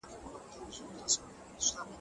نوي تکنالوژي د غريبو هيوادونو له توان څخه وتلې وه.